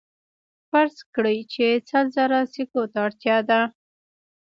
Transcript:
فرض کړئ چې سل زره سکو ته اړتیا ده